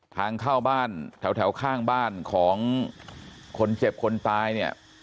ทางเข้าบ้านแถวข้างบ้านของคนเจ็บคนตายเนี่ย